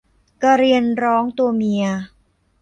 กระเรียนร้องตัวเมีย